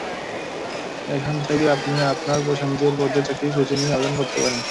এখান থেকে আপনি আপনার পছন্দের পদের চাকরি খুঁজে নিয়ে আবেদন করতে পারেন।